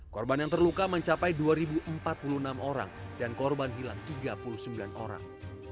korban yang terluka mencapai dua empat puluh enam orang dan korban hilang tiga puluh sembilan orang